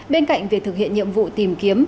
bên cạnh việc thực hiện nhiệm vụ tìm kiếm